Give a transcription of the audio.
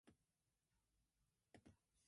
The periodic errors of the screw were accounted for.